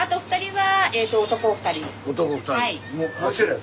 はい。